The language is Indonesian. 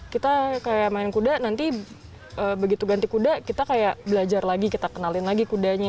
kita kayak main kuda nanti begitu ganti kuda kita kayak belajar lagi kita kenalin lagi kudanya